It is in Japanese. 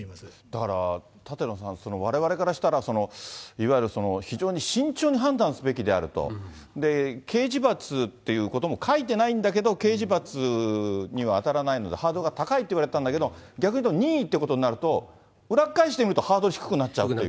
だから、舘野さん、われわれからしたら、いわゆる非常に慎重に判断すべきであると、刑事罰ということも書いてないんだけど、刑事罰には当たらないので、ハードルが高いといわれたんだけど、逆に言うと、任意っていうことになると、裏っ返してみるとハードル低くなってしまうと。